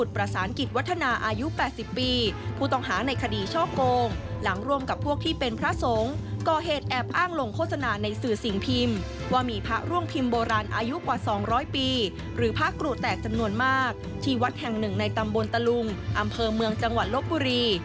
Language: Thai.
ที่วัดแห่งหนึ่งในตำบลตะลุงอำเภอเมืองจังหวัดลบบุรี